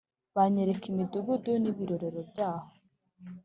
Banyereka imidugudu n’ibirorero, byaho